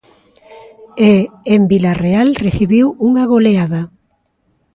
E en Vilarreal recibiu unha goleada.